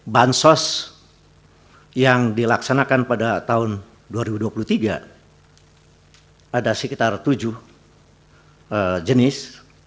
bansos yang dilaksanakan pada tahun dua ribu dua puluh tiga ada sekitar tujuh jenis